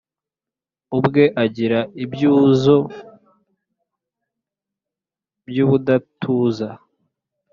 ubwe agira ibyuzo by’ ubudatuza,